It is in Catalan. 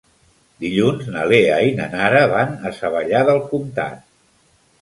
Dilluns na Lea i na Nara van a Savallà del Comtat.